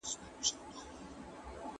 د امن درس ټووولې نړۍ ته ورکوومه